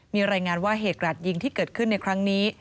มีรายงานว่าเหตุกราดยิงที่เกิดขึ้นในครั้งนี้